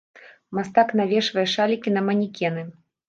Мастак навешвае шалікі на манекены.